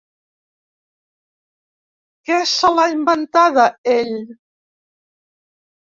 Que se l’ha inventada ell?